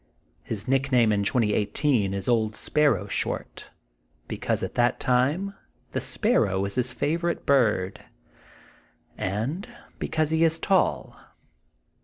His nick name in 2018 is 01d Sparrow Short,'' be cause at that time the sparrow is his favorite bird, and because he is tall.